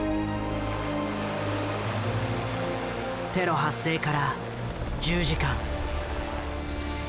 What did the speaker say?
テロ発生から１０時間。